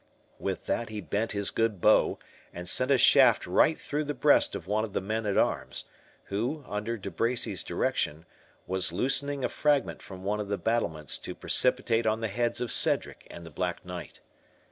With that he bent his good bow, and sent a shaft right through the breast of one of the men at arms, who, under De Bracy's direction, was loosening a fragment from one of the battlements to precipitate on the heads of Cedric and the Black Knight.